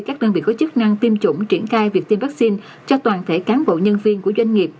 các đơn vị có chức năng tiêm chủng triển khai việc tiêm vaccine cho toàn thể cán bộ nhân viên của doanh nghiệp